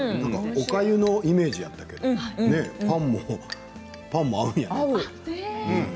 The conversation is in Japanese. おかゆのイメージやったけどパンも合うんやね。